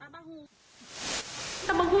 น้ำปลาร้าโอ้โฮโอ้โฮ